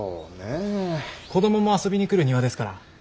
子どもも遊びに来る庭ですから。